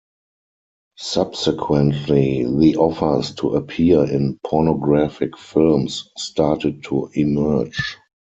Subsequently, the offers to appear in pornographic films started to emerge.